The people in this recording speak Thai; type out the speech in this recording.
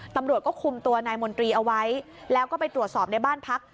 ตำรวจก็คุมตัวนายมนตรีเอาไว้แล้วก็ไปตรวจสอบในบ้านพัก